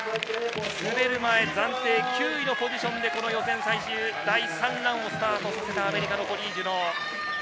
滑る前、暫定９位のポジションで予選最終、第３ランをスタートさせたアメリカのコリー・ジュノー。